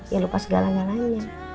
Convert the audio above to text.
ya lupa segala galanya